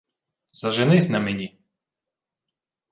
— Заженись на мені.